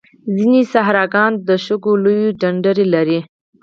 ځینې صحراګان د شګو لویې ډنډرې لري.